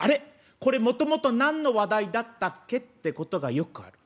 これもともと何の話題だったっけ？」ってことがよくある。